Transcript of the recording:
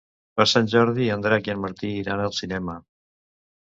Per Sant Jordi en Drac i en Martí iran al cinema.